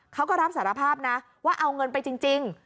เขาก็รับสารภาพนะว่าเอาเงินไปจริง